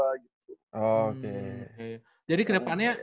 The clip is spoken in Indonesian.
ada yang di rumah gue kan ada adek gue jadi dia bisa bandingin aja lah